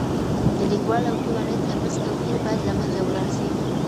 د ليکوال او ټولني ترمنځ توپير بايد له منځه ولاړ سي.